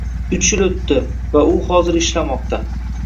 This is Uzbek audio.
Uch yil oʻtdi va u hozir ishlamoqda.